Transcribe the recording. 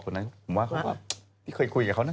ผมว่าเขาว่าพี่เคยคุยกับเขาน่ะ